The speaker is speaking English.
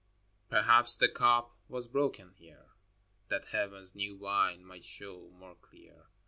Perhaps the cup was broken here, That Heaven's new wine might show more clear.